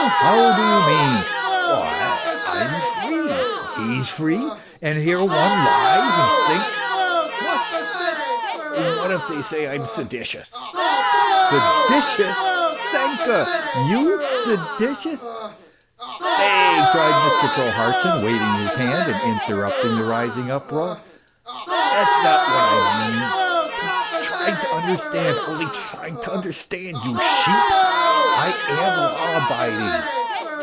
" How do you mean ?"" Why, I am free, he's free, and here one lies and thinks ..."" What 1 "" What if they say I'm seditious ?"" Se di tious ? Senka, you seditious !"" Stay," cried Mr. Prohartchin, waving his hand and in terrupting the rising uproar, " that's not what I mean. Try to understand, only try to understand, you sheep. I am law abiding.